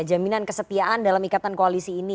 jaminan kesetiaan dalam ikatan koalisi ini